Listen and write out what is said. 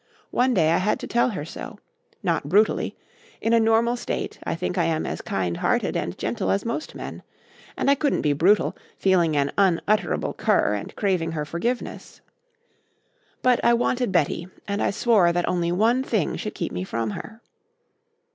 One day I had to tell her so. Not brutally. In a normal state I think I am as kind hearted and gentle as most men. And I couldn't be brutal, feeling an unutterable cur and craving her forgiveness. But I wanted Betty and I swore that only one thing should keep me from her."